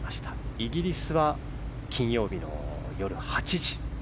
イギリスは金曜日の夜８時。